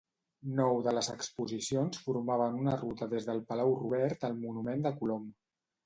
Nou de les exposicions formaren una ruta des del Palau Robert al monument a Colom.